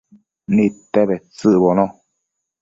Nidte bedtsëcbono